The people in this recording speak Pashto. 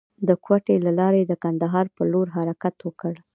د کوټې له لارې د کندهار پر لور حرکت وکړ.